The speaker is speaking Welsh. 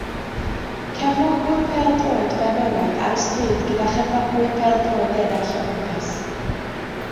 Cefnogwr pêl-droed benywaidd ar y stryd gyda chefnogwyr pêl-droed eraill o gwmpas.